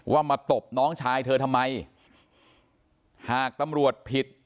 ว่ามาตบน้องชายเธอทำไมหากตำรวจผิด